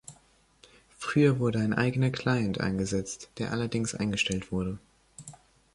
Früher wurde ein eigener Client eingesetzt, der allerdings eingestellt wurde.